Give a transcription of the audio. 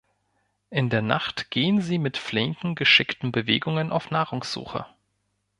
In der Nacht gehen sie mit flinken, geschickten Bewegungen auf Nahrungssuche.